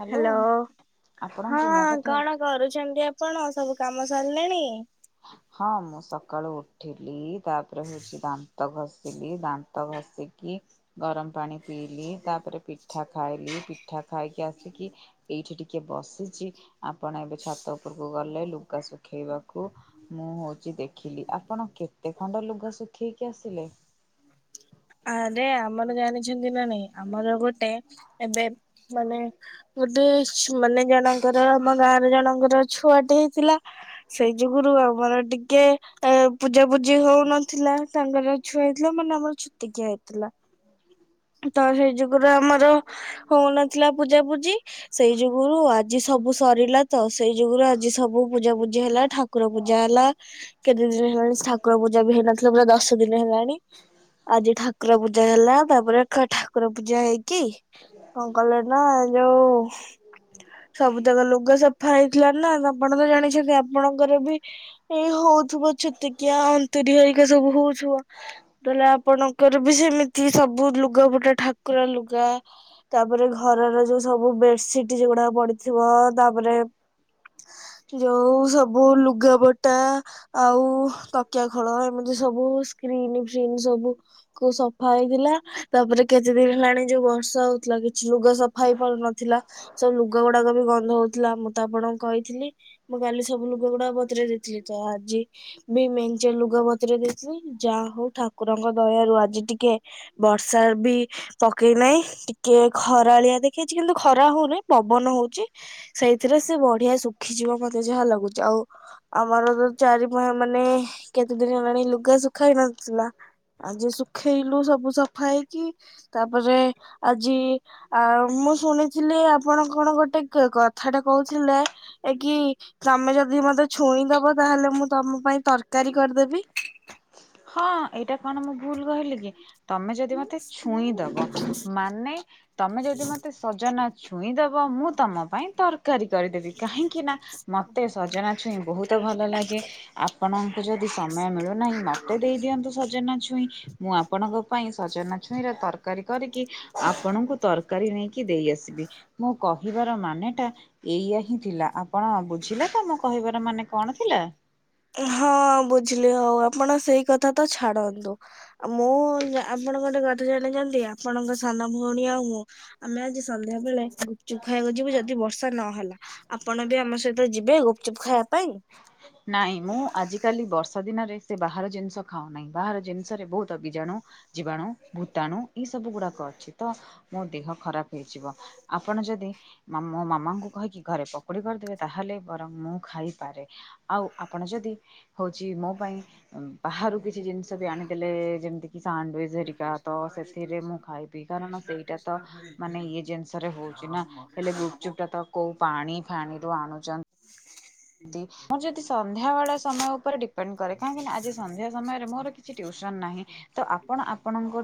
Hello hello ହଁ ଆପଣଙ୍କୁ ମୋ କଥା କଣ କରୁଚନ୍ତି ଆପଣ ସବୁ କାମ ସରିଲେଣି? ହଁ ମୁଁ ସକାଳୁ ଉଠିଲି ତାପରେ ହଉଚି ଦା ଦାନ୍ତ ଘଷିଲି ଦାନ୍ତ ଘଷିକି ଗରମ ପାଣି ପିଇଲି ତାପରେ ପିଠା ଖାଇଲି ପିଠା ଖାଇକି ଆସିକି ଏଇଠି ଟିକେ ବସିଛି ଆପଣ ଏବେ ଛାତ ଉପରକୁ ଗଲେ ଲୁଗା ଶୁଖେଇବାକୁ ମୁଁ ହେଉଚି ଦେଖିଲି ଆପଣ କେତେ ଖଣ୍ଡ ଲୁଗା ଶୁଖେଇକି ଆସିଲେ? ଆରେ ଆମର ଜାଣିଛନ୍ତି ନା ନାଇଁ ଆମର ଗୋଟେ ଏବେ ମାନେ ଗୋଟେ ମାନେ ଜଣଙ୍କର ଆମ ଗାଁରେ ଜଣଙ୍କର ଛୁଆଟେ ହେଇଥିଲା ସେଇ ଯୁଗୁରୁ ଆମର ଟିକେ ଏ ପୂଜାପୁଜି ହଉନଥିଲା ତାଙ୍କର ଛୁଆ ହେଇଥିଲା ମାନେ ଆମର ଛୁତିକିଆ ହେଇଥିଲା ତ ହେଇ ଯୁଗରୁ ଆମର ହଉନଥିଲା ପୂଜାପୂଜି ସେଇ ଯୁଗୁରୁ ଆଜି ସବୁ ସରିଲା ତ ସେଇ ଯୁଗୁରୁ ଆଜି ସବୁ ପୂଜା ପୂଜି ହେଲା ଠାକୁର ପୂଜା ହେଲା କେତେ ଦିନି ହେଲାଣି ଠାକୁର ପୂଜାବି ହେଇନଥିଲା ପୁରା ଦଶ ସ ଦିନ ହେଲାଣି ଆଜି ଠାକୁର ପୂଜା ହେଲା ତାପରେ ଠାକୁର ପୂଜା ହେଇକି କଣ କଲେନା ଏଇଯଉ ସବୁ ତକ ଲୁଗ ସଫା ହେଇଥିଲାନା ଆପଣତ ଜାଣିଛନ୍ତି ଆପଣଙ୍କରବି ଏଇ ହଉଥିବ ଛତିକିଆ ଅନ୍ତୁରି ହରିକା ସବୁ ହଉଥିବ ତାହେଲେ ଆପଣଙ୍କର ବି ସେମିତି ସବୁ ଲୁଗାପଟା ଠାକୁର ଲୁଗା ତାପରେ ଘରର ଯୋଉ ସବୁ ବେଡସିଟ ଯୋଗୁଡାକ ପଡିଥିବ ତାପରେ ଯୋଉ ସବୁ ଲୁଗା ପଟା ଆଉ ତକିଆ ଖୋଳ ଏମିତି ସବୁ ସ୍କ୍ରିନ ଫ୍ରନ୍ ସବୁ। କୁ ସଫା ହେଇଥିଲା। ତାପରେ କେତେ ଦିନ ହେଲାଣି ଯୋଉ ବର୍ଷା ହଉଥିଲା କିଛି ଲୁଗ ସଫା ହେଇ ପାରୁନଥିଲା। ସବୁ ଲୁଗା ଗୁଡାକ ବି ଗନ୍ଧ ହଉଥିଲା ମୁଁ ତ ଆପଣଙ୍କୁ କହିଥିଲି। ମୁଁ କାଲି ସବୁ ଲୋକ ଗୁଡା ବତୁରେଇ ଦେଇଥିଲି ତ ଆଜି ବି ମେ ଲୁଗା ବତରେଇ ଦେଇଥିଲି ଯାହା ହଉ ଠାକୁରଙ୍କ ଦୟାରୁ ଆଜି ଟିକେ ବ ର୍ଷାବି। ପକେଇ ନାହିଁ ଟିକେ ଖରାଳିଆ ଦେଖେଇଛି କିନ୍ତୁ ଖରା ହଉ ନାହିଁ ପବନ ହଉଛି। ସେଇଥିରେ ସେ ବଢିଆ ଶୁଖିଯିବ ମତେ ଯାହା ଲାଗୁଛି। ଆଉ ଆମର ତୋ ଚାରିପହ ମାନେ କେତେ ଦିନ ହେଲାଣି ଲୁଗା ସୁୁଖା ହେଇନଥିଲା। ଆଜି ଶୁଖେଇଲୁ ସବୁ ସଫା ହେଇକି ତାପରେ ଆଜି ଆ ମୁଁ ଶୁଣିଥିଲି ଆପଣ କଣ ଗୋଟେ କଥାଟା କହୁଥିଲେ। ଏ କିି ତମେ ଯଦି ମତେ ଛୁଇଁଦବ ତାହେଲେ ମୁଁ ତମ ପାଇଁ ତରକାରୀ କରିଦେବି। ହଁ ଏଇଟା କଣ ମୁଁ ଭୁଲ କହିଲି କି। ତମେ ଯଦି ମତେ ଛୁଇଁଦବ ମାନେ ତମେ ଯଦି ମତେ ସଜନା ଛୁଇଁ ଦେବ ମୁଁ ତୁମ ପାଇଁ ତର କାରି କରିଦେବି କାହିଁକିନା ମୋତେ ସଜନା ଛୁଇଁ ବହୁତ ଭଲ ଲାଗେ। ଆପଣ ଯଦି ସମୟ ମିଳୁନାହିଁ ମତେ ଦେଇ ଦିଅନ୍ତୁ ସଜନା ଛୁଇଁ ମୁଁ ଆପଣଙ୍କ ପାଇଁ ସଜନା ଛୁଇଁର ତରକା କାରୀ କରିକି ଆପଣଙ୍କୁ ତରକାରୀ ନେଇକି ଦେଇ ଆସିବି। ମୁଁ କହିବାର ମାନେଟା ଏଇଆ ହିଁ ଥିଲା। ଆପଣ ବୁଝିଲେ ତ ମୋ କହିବାର ମାନେ କଣ ଥିଲା? ହଁ ବୁଝିଲି ହଉ ଆପଣ ସେଇ କଥା ତ ଛାଡ଼ନ୍ତୁ। ଆଉ ମୁଁ ଆପଣ ଗୋଟେ କଥା ଜାଣିଛନ୍ତି ଆପଣଙ୍କ ସାନ ଭଉଣୀ ଆଉ ମୁଁ ଆମେ ଆଜି ସନ୍ଧ୍ୟା ବେଳେ ଗୁପଚୁପ ଖାଇବାକୁ ଯିବୁ ଯଦି ବର୍ଷା ନହେଲା। ଆପଣ ବି ଆମ ସହିତ ଯିବେ ଗୁପଚୁପ ଖାଇବା ପାଇଁ? ନାଇଁ ମୁଁ ଆଜିକାଲି ବର୍ଷା ଦିନରେ ସେ ବାହାର ଜିନିଷ ଖାଉ ନାହିଁ। ବାହାର ଜିନିଷରେ ବହୁତ ବିଜାଣୁ। ଜୀବାଣୁ, ଭୂତାଣୁ ଏଇ ସବୁ ଗୁଡାକ ଅଛି ତ ମୋ ଦେହ ଖରାପ ହେଇଯିବ। ଆପଣ ଯଦି ମୋ ମାମାଙ୍କୁ କହିକି ଘରେ ପକୋଡ଼ି କରିଦେବେ ତାହେଲେ ବରଂ ମୁଁ ଖାଇ ଆଉ ଆପଣ ଯଦି ହଉଛି ମୋ ପାଇଁ ବାହାରୁ କିଛି ଜିନିଷ ବି ଆଣିଦେଲେ ଯେମିତିକି ସାଣ୍ଡୱିଚ୍ ହେରିକା ତ ସେଥିରେ ମୁଁ ଖାଇବି। କାରଣ ସେଇ ଟା ତ ମାନେ ଇଏ ଜିନିଷରେ ହଉଛି ନା ହେଲେ ଗୁପଚୁପ ଟା ତ କୋଉ ପାଣି ଫାଣିରୁ ଆଣୁଛନ୍ତି। ମୁଁ ଯଦି ସନ୍ଧ୍ୟା ବଳ ସମୟ ଉପରେ ଡିପେଣ୍ଡ କରେ କାହିଁକି ନା ଆଜି ସନ୍ଧ୍ୟା ସମୟରେ ମୋର କିଛି ଟିଉସନ ନାହିଁ। ତ ଆପଣ ଆପଣଙ୍କ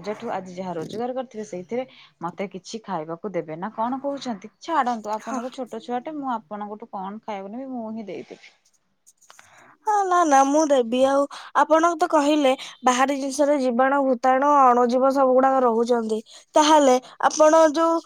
ଅଜାଠୁ ଆଜି ଯାହା ରୋଜଗାର କରିଥିବେ ସେଇଥିରେ ମତେ କିଛି ଖାଇବାକୁ ଦେବେ ନା କଣ କହୁଛନ୍ତି? ଛାଡନ୍ତୁ ହଁ ଆପଣ ତ ଛୋଟ ଛୁଆଟେ ମୁଁ ଆପଣଙ୍କଠୁ କଣ ଖାଇବିନି ମୁଁ ହିଁ ଦେଇଦେବି। ହଁ ନା ନା ମୁଁ ଦେବି ଆଉ ଆପଣଙ୍କୁ ତ କହିଲେ ବାହାରି ଜିନିଷରେ ଜୀବାଣୁ, ଭୂତାଣୁ, ଅଣଜୀବ ସବୁ ଗୁଡାକ ରହୁଛନ୍ତି। ତାହେଲେ ଆପଣ ଯୋଉ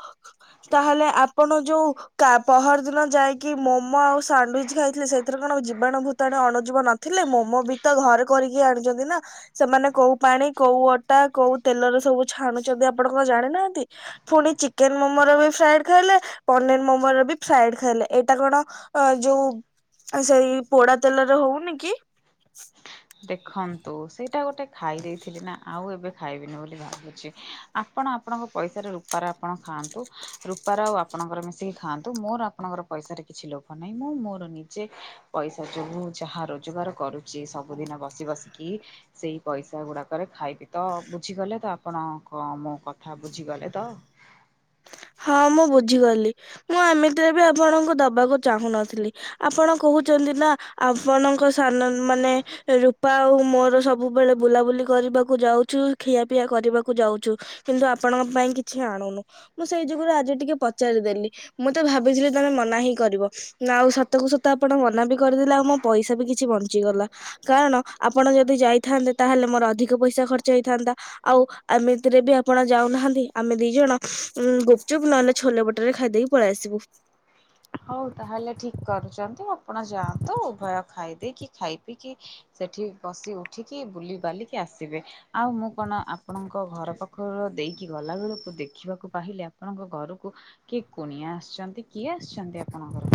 ତାହେଲେ ଆପଣ ଯୋଉ ତା ପହର ଦିନ ଯାଇକି ମୋମୋ ଆଉ ସାଣ୍ଡୱିଚ ଖାଇଥିଲେ। ସେଇଥିରେ କଣ ଜୀବ ବାଣୁ, ଭୂତାଣୁ, ଅଣୁଜିବ ନଥିଲେ ମୋମୋ ବି ତ ଘରେ କରିକି ଆଣିଛନ୍ତି ନା। ସେମାନେ କୋଉ ପାଣି କୋଉ ଅଟା କୋଉ ତେଲରେ ସବୁ ଛାଣୁଛନ୍ତି ଆପଣ କଣ ଜାଣିନାହାନ୍ତି? ପୁଣି ଚିକେନ ମୋମୋର ବି ଫ୍ରାଏଡ ଖାଇଲେ, ପନିର ମୋମୋର ବି ଫ୍ରାଏଡ ଖାଇଲେ। ଏଇଟା କଣ ଅ ଯୋଉ ସେଇ ପୋଡା ତେଲରେ ହଉନି କି? ଦେଖନ୍ତୁ ସେଇଟା ଗୋଟେ ଖାଇ ଦେଇେଇଥିଲି ନା ଆଉ ଏବେ ଖାଇବିନି ବୋଲି ଭାବୁଛି। ଆପଣ ଆପଣଙ୍କ ପଇସାରେ ରୂପାର ଆପଣ ଖାଆନ୍ତୁ ରୂପାର ଆଉ ଆପଣଙ୍କର ମିଶିକି ଖାଆନ୍ତୁ ମୋର ଆପଣଙ୍କର ପଇସାରେ କିଛି ଲୋଭ ନାହିଁ ମୁଁ ମୋର ନିଜେ ପଇସା ଯୋଗୁ ଯାହା ରୋଜଗାର କରୁଛି ସବୁ ସବୁ ଦିନ ବସି ବସିକି ସେଇ ପଇସା ଗୁଡାକରେ ଖାଇବି ତ ବୁଝିଗଲେ ତ ଆପଣ କ ମୋ କଥା ବୁଝିଗଲେ ତ? ହଁ ମୁଁ ବୁଝିଗଲି ମୁଁ ଏମିତିରେ ବି ଆପଣଙ୍କୁ ଦବାକୁ ଚାହୁଁନଥିଲି। ଆପଣ କହୁଛନ୍ତି ନା ଆପଣଙ୍କ ସାନନ୍ ମାନେ ରୂପା ଆଉ ମୋର ସବୁବେଳେ ବୁଲାବୁଲି କରିବାକୁ ଯାଉଛୁ ଖିଆପିଆ କରିବାକୁ ଯାଉଛୁ। କିନ୍ତୁ ଆପଣଙ୍କ ପାଇଁ କିଛି ଆଣୁନୁ। ମୁଁ ସେଇ ଯୁଗୁରୁ ଆଜି ଟିକେ ପଚାରିଦେଲି ମୁଁ ତ ଭାବିଥିଲି ତମେ ମନା ହିଁ କରିବ। ନା ଆଉ ସତ କୁ ସତ ଆପଣ ମନା ବି କରିଦେଲେ ଆଉ ମୋ ପଇସା ବି କିଛି ବଞ୍ଚିଗଲା। କାରଣ ଆପଣ ଯଦି ଯାଇଥାନ୍ତେ ତାହେଲେ ମୋର ଅଧିକ ପଇସା ଖର୍ଚ୍ଚ ହେଇଥାନ୍ତା। ଆଉ ଏମିତିରେ ବି ଆପଣ ଯାଉନାହାନ୍ତି ଆମେ ଦି ଜଣ ଉ ଗପଚୁପ୍ ନହେଲେ ଛୋଲେ ବଟରେ ଖାଇ ଦେଇକି ପଳେଇ ଆସିବୁ। ହଉ ତାହେଲେ ଠିକ୍ କରୁଛନ୍ତି ଆପଣ ଯାଆନ୍ତୁ ଉଭୟ ଖାଇଦେଇକି ଖାଇ ପିଇକିି ସେଠି ବସି ଉଠିକି ବୁଲି ବାଲିକି ଆସିବେ ଆଉ ମୁଁ କଣ ଆପଣଙ୍କ ଘର ପାଖ କ ଦେଇକି ଗଲାବେଳକୁ ଦେଖିବାକୁ ପାହିଲି ଆପଣଙ୍କ ଘରକୁ କିଏ କୁଣିଆ ଆସିଛନ୍ତି କିଏ ଆସିଛନ୍ତି ଆପଣଙ୍କର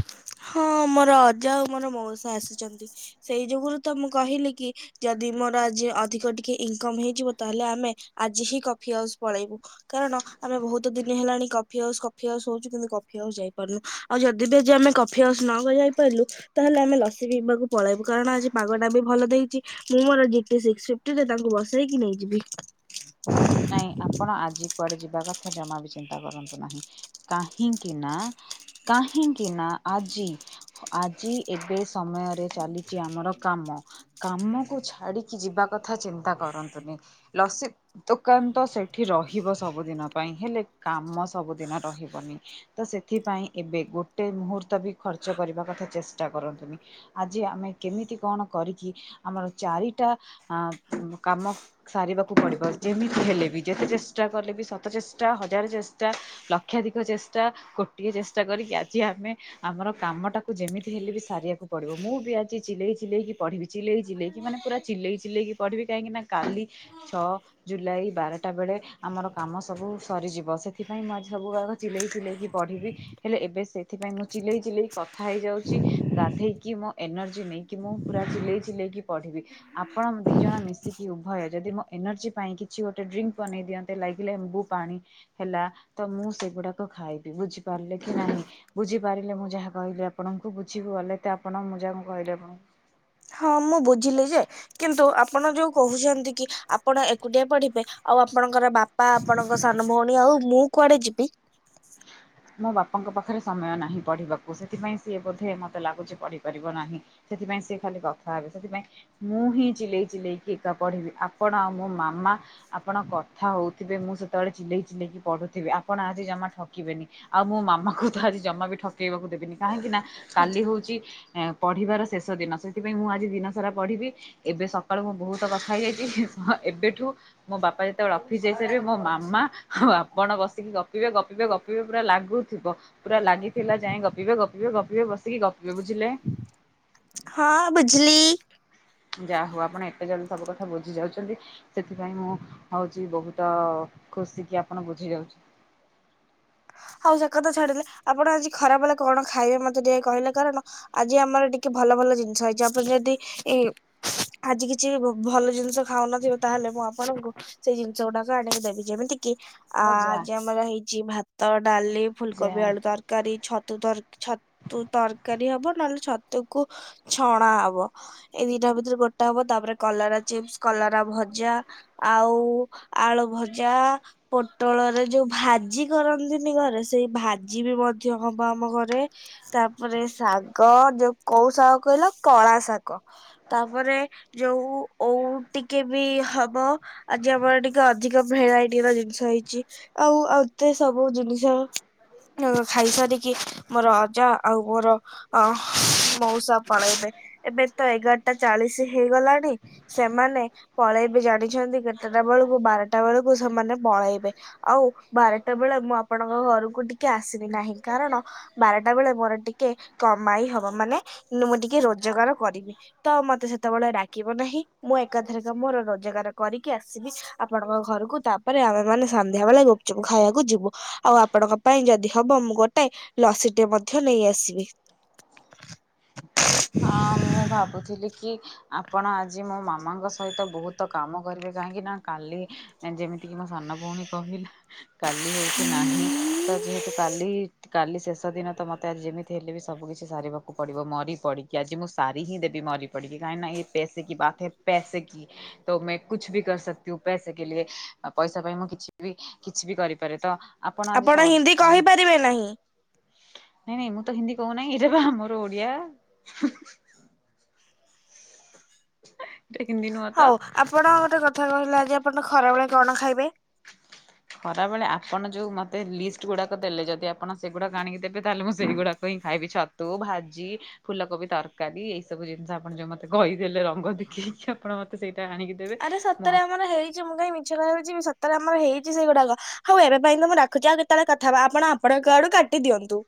ହଁ ମୋର ଅଜା ଆଉ ମୋର ମଉସା ଆସିଛନ୍ତି ସେଇ ଯୋଗଗୁରୁ ତ ମୁଁ କହିଲି କି ଯଦି ମୋର ଆଜି ଅଧିକ ଟିକେ ଇନକମ୍ ହେଇଯିବ ତାହେଲେ ଆମେ ଆଜି ହିଁ କଫି ହାଉସ୍ ପଳେଇବୁ। କାରଣ ଆମେ ବହୁତ ଦିନ ହେଲାଣି କଫି ହାଉସ୍ କଫି ହାଉସ ହଉଛୁ କିନ୍ତୁ କଫି ହାଉସ୍ ଯାଇପାରୁନୁ। ଆଉ ଯଦି ବି ଆଜି ଆମେ କଫି କଫି ହାଉସ୍ ନ ଯାଇ ପାରିଲୁ ତାହେଲେ ଆମେ ଲସି ପିଇବାକୁ ପଳେଇବୁ କାରଣ ଆଜି ପାଗଟା ବି ଭଲ ଦେଇଛି। ମୁଁ ମୋର ଜିଟି ସିକ୍ସ ଫିଟି ରେ ତାଙ୍କୁ ବସେଇକି ନେଇଯିବି [unintelligible] ନାଇଁ ଆପଣ ଆଜି କୁଆଡେ ଯିବା କଥା ଜମା ବି ଚିନ୍ତା କରନ୍ତୁ ନାହିଁ। କାହିଁକି ନା କାହିଁକି ନା ଆଜି ଆଜି ଏବେ ସମୟରେ ଚାଲିଛି ଆମର କାମ। କାମକୁ ଛାଡିକି ଯିବା କଥା ଚିନ୍ତା କରନ୍ତୁନି ଲସି ଦୋକାନ ତ ସେଠି ରହିବ ସବୁଦିନ ପାଇଁ ହେଲେ କାମ ସବୁଦିନ ରହିବନି। ତ ସେଥିପାଇଁ ଏବେ ଗୋଟେ ମୁହୂର୍ତ୍ତ ବି ଖର୍ଚ୍ଚ କରିବା କଥା ଚେଷ୍ଟା କରନ୍ତୁନି। ଆଜି ଆମେ କେମିତି କଣ କରିକି ଆମର ଚାରିଟା ଆଁ କାମ ସାରିବାକୁ ପଡିବ ଯେମିତି ହେଲେ ବି ଯେତେ ଚେଷ୍ଟା କଲେ ବି ଶତ ଚେଷ୍ଟା ହଜାର ଚେଷ୍ଟା ଲକ୍ଷାଧିକ ଚେଷ୍ଟା କୋଟିଏ ଚେଷ୍ଟା କରିକି ଆଜି ଆମେ ଆମର କାମଟାକୁ ଯେମିତି ହେଲେ ବି ସାରିବାକୁ ପଡ଼ିବ ମୁଁ ବି ଆଜି ଚିଲେଇ ଚିଲେଇକି ପଢ଼ିବି ଚିଲେଇ ଚିଲେଇକି ମାନେ ପୁରା ଚିଲେଇ ଚିଲେଇକି ପଢିବି କାହିଁକିନା କାଲି ଛଅ ଜୁଲାଇ ବାରଟା ବେଳେ ଆମର କାମ ସବୁ ସରିଯିବ ସେଥିପାଇଁ ମୁଁ ଆଜି ସବୁ ଗୁଡ଼ାକ ଚିଲେଇ ଚିଲେଇକି ପଢ଼ିବି। ହେଲେ ଏବେ ସେଥିପାଇଁ ମୁଁ ଚିଲେଇ ଚିଲେଇ କଥା ହେଇଯାଉଛି ଗାଧେଇକି ମୁଁ ଏନର୍ଜି ନେଇକି ମୁଁ ପୁରା ଚିଲେଇ ଚିଲେଇକି ପଢିବି। ଆପଣ ଦି ଜଣ ମିଶିକି ଉଭୟ ଯଦି ମୋ ଏନର୍ଜି ପାଇଁ କିଛି ଗୋଟେ ଡ୍ରିଙ୍କ୍ ବନେଇ ଦିଅନ୍ତେ ଲାଇକ୍ ଲେମ୍ବୁ ପାଣି ହେଲା ତ ମୁଁ ସେଗୁଡାକ ଖାଇବି ବୁଝିପାରିଲେ କି ନାହିଁ। ବୁଝିପାରିଲେ ମୁଁ ଯାହା କହିଲି ଆପଣଙ୍କୁ ବୁଝିବି ଗଲେ ତ ଆପଣ ମୁଁ ଯାହାକୁ କହିଲେ ଆପଣଙ୍କୁ ହଁ ମୁଁ ବୁଝିଲି ଯେ। କିନ୍ତୁ ଆପଣ ଯୋଉ କହୁଛନ୍ତି କି ଆପଣ ଏକୁଟିଆ ପଢିବେ ଆଉ ଆପଣଙ୍କର ବା ବା ଆପଣଙ୍କ ସାନ ଭଉଣୀ, ଆଉ ମୁଁ କୁଆଡେ ଯିବି? ମୋ ବାପାଙ୍କ ପାଖରେ ସମୟ ନାହିଁ ପଢିବାକୁ। ସେଥିପାଇଁ ସିଏ ବୋଧେ ମତେ ଲାଗୁଛି ପଢିପାରିବ ନାହିଁ। ସେଥିପାଇଁ ସେ ଖାଲି କଥା ହେବେ ସେଥିପାଇଁ ମୁଁ ହିଁ ଚିଲେଇ ଚିଲେଇ ଗୀତା ପଢ଼ିବି। ଆପଣ ଆଉ ମୋ ମାମା ଆପଣ କଥା ହଉଥିବେ। ମୁଁ ସେତେବେଳେ ଚିଲେଇ ଚିଲେଇକି ପଢୁଥିବି। ଆପଣ ଆଜି ଜମା ଠକିବେନି। ଆଉ ମୋ ମାମା କୁ ତ ଆଜି ଜମା ବି ଠକେଇବାକୁ ଦେବିନି କାହିଁକି ନା କାଲି ହଉଛି ଏଁ ପଢିବାର ଶେଷ ଦିନ। ସେଥିପାଇଁ ମୁଁ ଆଜି ଦିନ ସାରା ପଢିବି। ଏବେ ସକାଳୁ ମୁଁ ବହୁତ କଥା ହେଇଯାଇଛି। ହଁ ଏବେଠୁ ମୋ ବାପା ଯେତେବେଳେ ଅଫିସ ଯାଇସାରିବେ, ମୋ ମାମା ଆଉ ଆପଣ ବ ବସିକି ଗପିବେ, ଗପିବେ, ଗପିବେ, ପୁରା ଲାଗୁଥିବ ପୁରା ଲାଗିଥିଲା ଯାଏ ଗପିବେ, ଗପିବେ, ଗପିବେ ବ ସି କି ଗପିବେ, ବୁଝିଲେ? ହଁ ବୁଝିଲି। ଯା ହଉ ଆପଣ ଏତେ ଜଲଦି ସବୁ କଥା ବୁଝି ଯାଉଛନ୍ତି। ସେଥିପାଇଁ ମୁଁ ହଉଛି ବହୁତ ଖୁସି କି, ଆପଣ ବୁଝି ଯାଉଛ ହଉ ସେ କଥା ଛାଡିଲେ, ଆପଣ ଆଜି ଖରା ବେଳେ କଣ ଖାଇବେ ମତେ ଟିକେ କହିଲେ। କାରଣ ଆଜି ଆମର ଟିକେ ଭଲ ଭଲ ଜିନିଷ ହେଇଛି। ଆପଣ ଯଦି ଏ ଆଜି କିଛି ଭଲ ଜିନିଷ ଖାଉନଥିବେ, ତାହେଲେ ମୁଁ ଆପଣଙ୍କୁ ସେଇ ଜିନିଷ ଗୁଡାକ ଆନିକ ଦେବି। ଯେମିତି କିି ଆ ମୋ ଯା ଆଜି ଆମର ହେଇଛି ଭାତ, ଡାଲି ଫୁଲକୋବି ଯା ଆଳୁ ତର ତରକାରୀ, ଛତୁ ତର ଛତୁ ତରକାରୀ ହବ ନହେଲେ ଛତୁକୁ ଛଣା ହବ। ଏଇ ଦିଟା ଭିତରୁ ଗୋଟେ ଟା ହବ, ତାପରେ କଲରା ଚିପ୍ସ, କଲରା ଭଜା, ଆଉ ଆଳୁ ଭଜା ଜା ପୋଟଳରେ ଯୋଉ ଭାଜି କରନ୍ତି ନ୍ତିନି ଘରେ। ସେଇ ଭାଜି ବି ମଧ୍ୟ ହବ ଆମ ଘରେ। ତାପରେ ଶାଗ, ଯୋଉ କୋଉ ଶାଗ କହିଲ? କଳା ଶାଗ, ତାପରେ ଯୋଉ ଓଉ ଟିକେ ବି ହବ। ଆଜି ଆମର ଟିକେ ଅଧିକ ଭେରାଇଟି ର ଜିନିଷ ହେଇଛି। ଆଉ ଆଉ ଦେଶ ସବୁ ଜିନିଷ ଖାଇ ସାରିକି, ମୋର ଅଜା ଆଉ ମୋର ଅ ମଉସା ପଳେଇବେ। ଏବେ ତ ଏଗାରଟା ଚାଳିଶ ହେଇଗଲାଣି। ସେମାନେ ପଳେଇବେ ଜାଣିଛନ୍ତି କେତେଟା ବେଳକୁ? ବାରଟା ବେଳକୁ ସେମାନେ ପଳେଇବେ। ଆଉ ବାରଟା ବେଳେ ମୁଁ ଆପଣଙ୍କ ଘରକୁ ଟିକେ୍ ଆସିବି। କାହିଁ କାରଣ ବାରଟା ବେଳେ ମୋର ଟିକେ୍ କମାଇ ହବ। ମାନେ ମୁଁ ଟିକେ୍ ରୋଜଗାର କରିବି। ତ ମତେ ସେତେବେଳେ ରାଗିବ ନାହିଁ। ମୁଁ ଏକାଥରକେ ମୋର ରୋଜଗାର କରିକି ଆସିବି। ଆପଣଙ୍କ ଘରକୁ ତାପରେ ଆମେ ମାନେ ସନ୍ଧ୍ୟା ବେଳେ ଗୁପଚୁପ୍ ଖାଇବାକୁ କୁ ଯିବୁ। ଆଉ ଆପଣଙ୍କ ପାଇଁ ଯଦି ହବ ମୁଁ ଗୋଟେ ଲସିଟେ ମଧ୍ୟ ନେଇ ଆସିବି। [inaudible] ହ [inaudible] ହଁ, ମୁଁ ଭାବୁଥିଲି କି ଆପଣ ଆଜି ମୋ ମାମାଙ୍କ ସହିତ ବହୁତ୍ ତ କାମ କରିବେ, କାହିଁକି ନା କାଲି ଯେମିତି କି ମୋ ସାନ ଭଉଣୀ କହିଲା କାଲି ହଉଛି ନାହିଁ ତ ଯେହେତୁ କାଲି କାଲି ଶେଷ ଦିନ ତ ମତେ ଆଜି ଯେମିତି ହେଲେ ବି ସବୁ କିିଛି ସାରିବାକୁ ପଡିବ। ମରି ପଡି଼। କି ଆଜି ମୁଁ ସାରିକି ଦେବି ମରିପଡ଼ି କି। କାହିଁକି ନାଁ ଏ ପୌସେ କି ବାତ ହେ ପେସେ୍ କି। ତୋ ମେ କୁଛୁ ଭି କର ସକ୍ତିୁ ହୁଁ ପୈସେ କେ ଲିଏ। ପଇସା ପାଇଁ ମୁଁ କିଛି ବି କିଛି ବି କରିପାରେ ତ ଆପଣ ଆଜି ସ ହିନ୍ଦୀ ନାଇଁ କହିପାରିବେ ନାହିଁ। ନାଇଁ ମୁଁ ତ ହିନ୍ଦୀ କହୁନାହିଁ। ଏଇଟା ବା ଆମର ଓଡି଼ଆ। [unintelligible] ଏ ହିନ୍ଦି ନୁହଁ ତ? ହଉ ଆପଣ ଗୋଟେ କଥା କହିଲେ ଆଜି ଆପଣ ଖରାବେଳେ କଣ ଖାଇବେ? ଖରାବେଳେ ଆପଣ ଯୋଉ ମତେ ଲିଷ୍ଟ ଗୁଡ଼ାକ ଦେଲେ ଯଦି ଆପଣ ସେଗୁଡ଼ା ଆଣିକି ଦେବେ ତାହେଲେ ମୁଁ ସେଇଗୁଡ଼ାକ ହିଁ ଖାଇବି ଛତ୍ ତୁ ଭାଜି ଫୁଲକୋବି ତରକାରୀ ଏଇ ସବୁ ଜିନିଷ ଆପଣ ଯୋଉ ମ ତେ କହିଥିଲେ ରଙ୍ଗ ଦେଖେଇକି ଆପଣ ମତେ ସେଇଟା ଆଣିକି ଦେବେ ମୋ ଆଉ ଛି ମୁଁ କାଇଁ ମିଛ କହିବାକୁ ଯିବି ସତରେ ଆମର ହେଇଛି ସେଇଗୁଡା଼କ। ହଉ ଏବେ ପାଇଁ ତ ମୁଁ ରଖୁଛି ଆଉ କେତେବେଳେ କଥାହବା ଆପଣ ଆପଣଙ୍କ ଆଡୁ କାଟି ଦିଅନ୍ତୁ।